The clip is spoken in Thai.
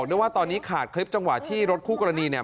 ด้วยว่าตอนนี้ขาดคลิปจังหวะที่รถคู่กรณีเนี่ย